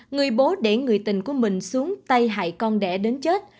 người bố để người tình của mình xuống tay hại con đẻ đến chết